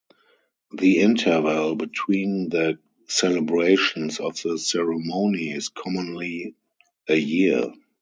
The interval between the celebrations of the ceremony is commonly a year.